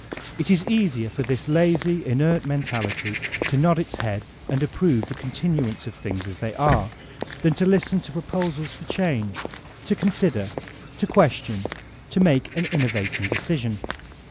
It is easier to this lazy, inert mentality to nod its head and approve the continuance of things as they are, than to listen to proposals for change, to con sider, to question, to make an innovating decision.